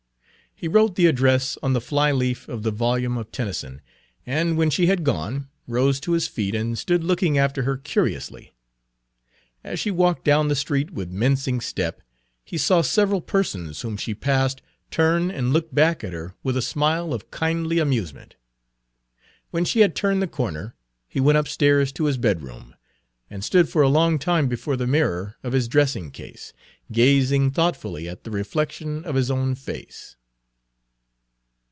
Page 17 He wrote the address on the fly leaf of the volume of Tennyson, and, when she had gone, rose to his feet and stood looking after her curiously. As she walked down the street with mincing step, he saw several persons whom she passed turn and look back at her with a smile of kindly amusement. When she had turned the corner, he went upstairs to his bedroom, and stood for a long time before the mirror of his dressing case, gazing thoughtfully at the reflection of his own face.